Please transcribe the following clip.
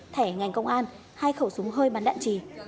thẻ ngành công an hai khẩu súng hơi bắn đạn trì